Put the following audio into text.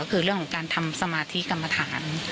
ก็คือเรื่องของการทำสมาธิกรรมฐาน